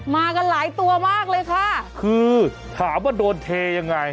มากันหลายตัวมากเลยค่ะคือถามว่าโดนเทยังไง